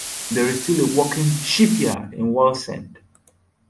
There is still a working shipyard in Wallsend.